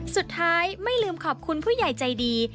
ไม่ลืมขอบคุณผู้ใหญ่ใจดี